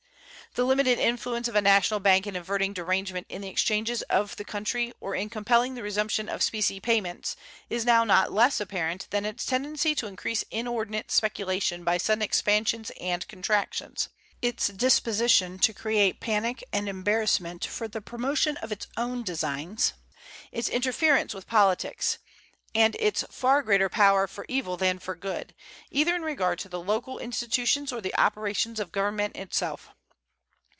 The limited influence of a national bank in averting derangement in the exchanges of the country or in compelling the resumption of specie payments is now not less apparent than its tendency to increase inordinate speculation by sudden expansions and contractions; its disposition to create panic and embarrassment for the promotion of its own designs; its interference with politics, and its far greater power for evil than for good, either in regard to the local institutions or the operations of Government itself.